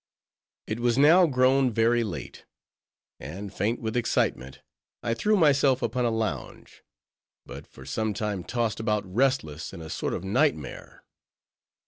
It was now grown very late; and faint with excitement, I threw myself upon a lounge; but for some time tossed about restless, in a sort of night mare.